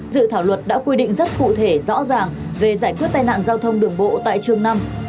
dự thảo luật đã quy định rất cụ thể rõ ràng về giải quyết tai nạn giao thông đường bộ tại trường năm